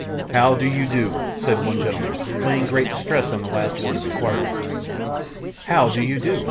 'How do you DO?' said one gentleman, laying great stress on the last word of the inquiry. 'HOW do you do?